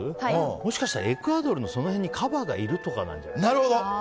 もしかしたらエクアドルのその辺にカバがいるとかなんじゃない？